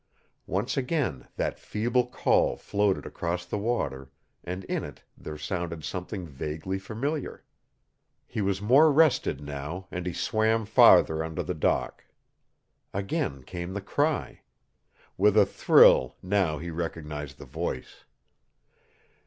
Once again that feeble call floated across the water, and in it there sounded something vaguely familiar. He was more rested now and he swam farther under the dock. Again came the cry. With a thrill now he recognized the voice.